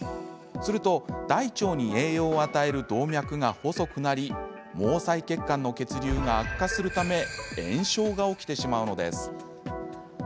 すると大腸に栄養を与える動脈が細くなり毛細血管の血流が悪化するため炎症が起きてしまうのです。